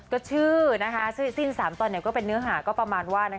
ก็ชื่อสิ้น๓ตอนก็เป็นเนื้อหาก็ประมาณว่า